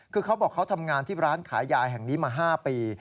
คือเขาบอกเขาทำงานที่ร้านขายยาแห่งนี้มา๕ปี